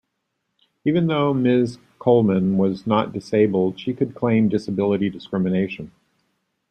Even though Ms Coleman was not disabled, she could claim disability discrimination.